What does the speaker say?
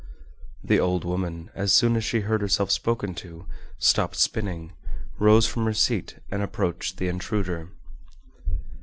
The old woman as soon as she heard herself spoken to stopped spinning, rose from her seat and approached the intruder.